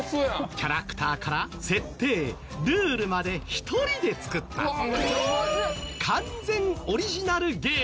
キャラクターから設定ルールまで１人で作った完全オリジナルゲーム。